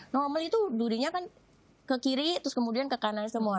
normal itu durinya kan ke kiri terus kemudian ke kanan semua